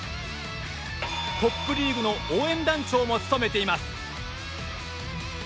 トップリーグの応援団長も務めています。